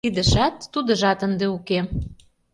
Тидыжат, тудыжат ынде уке